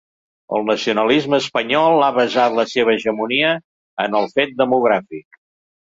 El nacionalisme espanyol ha basat la seva hegemonia en el fet demogràfic.